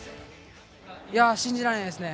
信じられないですね。